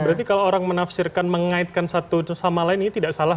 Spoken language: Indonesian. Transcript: berarti kalau orang menafsirkan mengaitkan satu sama lain ini tidak salah